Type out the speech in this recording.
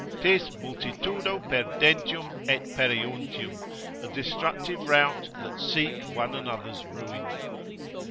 'Tis multitudo perdentium et pereuntium, a destructive rout that seek one another's ruin.